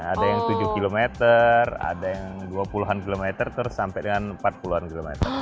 ada yang tujuh km ada yang dua puluh an kilometer terus sampai dengan empat puluh an km